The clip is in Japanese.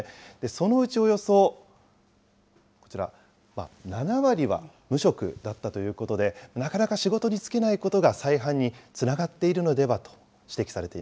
そのうちおよそこちら、７割は無職だったということで、なかなか仕事に就けないことが再犯につながっているのではと指摘